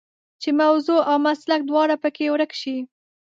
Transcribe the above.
چې موضوع او مسلک دواړه په کې ورک شي.